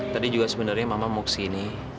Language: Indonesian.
tadi juga sebenarnya mama mau kesini